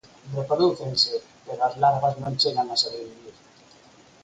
Reprodúcense, pero as larvas non chegan a sobrevivir.